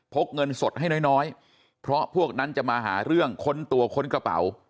เงินสดให้น้อยเพราะพวกนั้นจะมาหาเรื่องค้นตัวค้นกระเป๋า